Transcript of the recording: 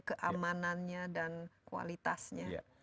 keamanannya dan kualitasnya